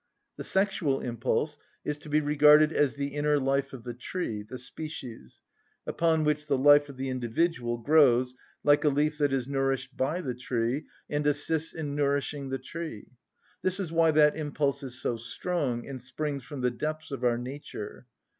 The sexual impulse is to be regarded as the inner life of the tree (the species) upon which the life of the individual grows, like a leaf that is nourished by the tree, and assists in nourishing the tree; this is why that impulse is so strong, and springs from the depths of our nature.